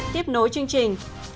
tiếp nối chương trình